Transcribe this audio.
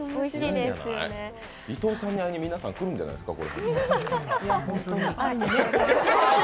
伊藤さんに会いに、皆さん来るんじゃないですか。